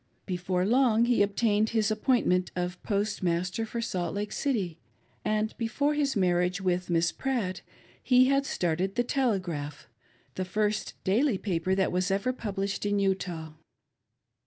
Before long,' he obtained the appointment of Postmaster for Salt Lake City, and before his marriage with Miss Pratt, he had started the Telegraph — fhe first daily paper that was ever published in Utah.